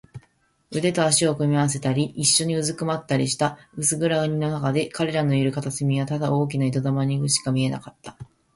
腕と脚とを組み合わせたり、いっしょにうずくまったりした。薄暗がりのなかで、彼らのいる片隅はただ大きな糸玉ぐらいにしか見えなかった。